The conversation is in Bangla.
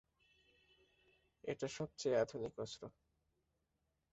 এটা সবচেয়ে আধুনিক অস্ত্র।